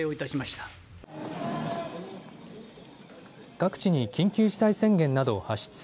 各地に緊急事態宣言などを発出。